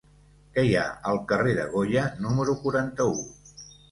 Què hi ha al carrer de Goya número quaranta-u?